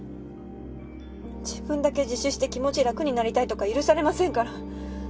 自分だけ自首して気持ち楽になりたいとか許されませんから。